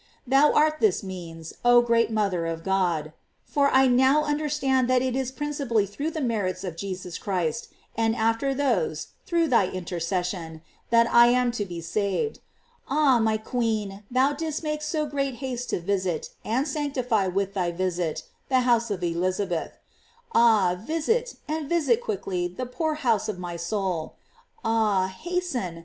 Thou art this means, oh great mother of God, for I now understand that it is principally through the merits of Jesus Christ, and after those, through thyjnt.ejrcesgion, that I am to be 456 GLORIES OF MAKY. saved. Ah, my queen, thou didst make so great haste to visit, and sanctify with thy visit, the house of Elizabeth; ah, visit, and visit quickly the poor house of my soul. Ah, hasten!